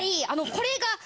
これが。